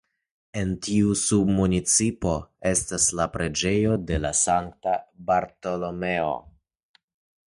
En tiu submunicipo estas la preĝejo de Sankta Bartolomeo.